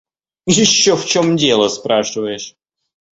Ещё в чём дело спрашиваешь.